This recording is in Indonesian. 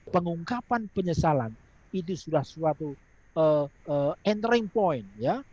pengungkapan penyesalan itu sudah suatu entering point ya